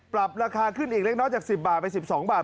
ปรับราคาขึ้นอีกเล็กน้อยจาก๑๐บาทไป๑๒บาท